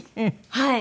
はい。